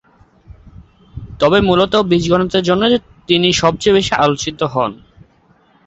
তবে মূলত বীজগণিতের জন্যই তিনি সবচেয়ে বেশি আলোচিত হন।